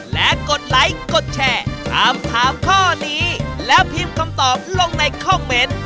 และกดไลค์กดแชร์ถามถามข้อนี้แล้วพิมพ์คำตอบลงในคอมเมนต์